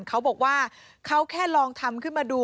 เขาบอกว่าเขาแค่ลองทำขึ้นมาดู